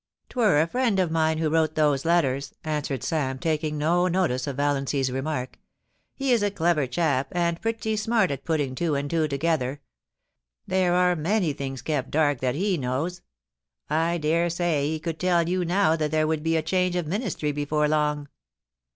' 'Twur a friend of mine who wrote those letters,' answered Sam, taking no notice of Valiancy's remark. * He is a clever chap, and pretty smart at putting two and two to gether. Theie are many things kep' dark that he knows. I dare say he could tell you now that there would be a change of Ministry before long.